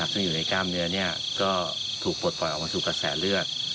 ซึ่งอยู่ในกล้ามเนื้อก็ถูกปลดปล่อยออกมาสู่กระแสเลือด